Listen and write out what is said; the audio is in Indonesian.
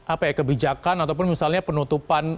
apa ya kebijakan ataupun misalnya penutupan